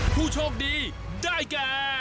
ผู้โชคดีได้แก่